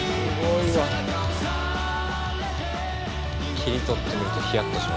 切り取ってみるとヒヤッとしますね。